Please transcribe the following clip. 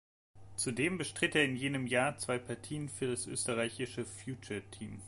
Zudem bestritt er in jenem Jahr zwei Partien für das österreichische Future-Team.